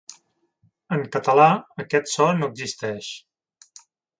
En català, aquest so no existeix.